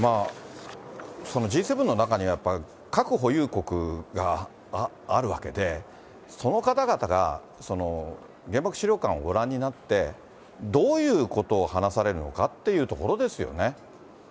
Ｇ７の中にはやっぱ核保有国があるわけで、その方々が原爆資料館をご覧になって、どういうことを話されるのかというところですよね。